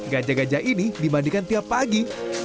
gajah gajah ini dimandikan tiap pagi